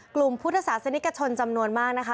พุทธศาสนิกชนจำนวนมากนะคะ